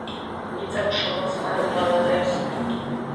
მიწა მშრომელს არ უღალატებს.......